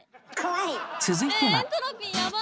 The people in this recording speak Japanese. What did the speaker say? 続いては。